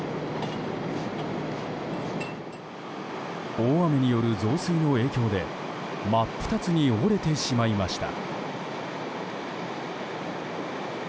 大雨による増水の影響で真っ二つに折れてしまいました。